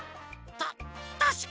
たたしかに。